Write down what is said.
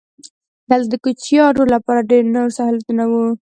دلته د کوچیانو لپاره ډېر نور سهولتونه وو.